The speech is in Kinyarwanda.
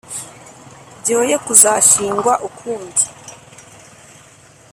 byoye kuzashingwa ukundi.